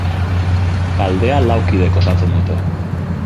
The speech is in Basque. Taldea lau kidek osatzen dute.